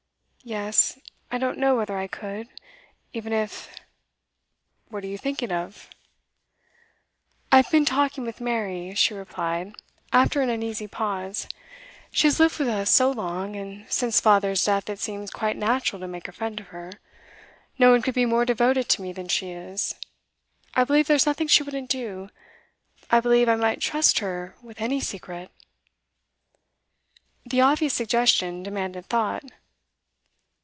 'Yes I don't know whether I could even if ' 'What are you thinking of?' 'I've been talking with Mary,' she replied, after an uneasy pause. 'She has lived with us so long; and since father's death it seems quite natural to make a friend of her. No one could be more devoted to me than she is. I believe there's nothing she wouldn't do. I believe I might trust her with any secret.' The obvious suggestion demanded thought.